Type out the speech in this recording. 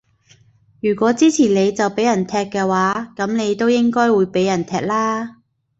如果支持你就畀人踢嘅話，噉你都應該會畀人踢啦